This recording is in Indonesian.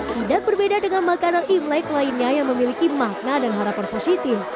tidak berbeda dengan makanan imlek lainnya yang memiliki makna dan harapan positif